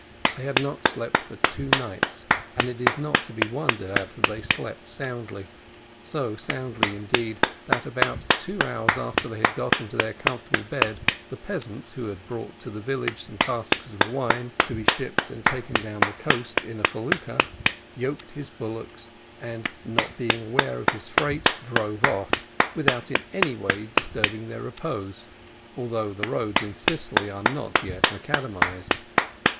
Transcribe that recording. As they had not slept for two nights, it is not to be wondered at that they slept soundly so soundly, indeed, that about two hours after they had got into their comfortable bed, the peasant, who had brought to the village some casks of wine to be shipped and taken down the coast in a felucca, yoked his bullocks, and not being aware of his freight, drove off without, in any way, disturbing their repose, although the roads in Sicily are not yet macadamised.